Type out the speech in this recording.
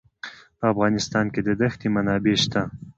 په افغانستان کې د دښتې منابع شته.